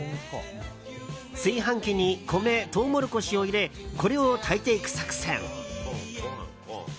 炊飯器に米、トウモロコシを入れこれを炊いていく作戦。